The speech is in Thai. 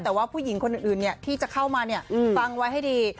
แต่ว่าผู้หญิงคนอื่นที่จะเข้ามาฟังไว้ให้ดี